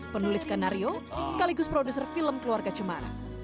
penulis skenario sekaligus produser film keluarga cumara